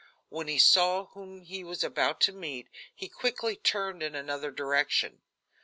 When he saw whom he was about to meet, he quickly turned in another direction.